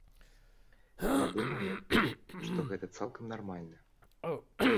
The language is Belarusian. Я думаю, што гэта цалкам нармальна.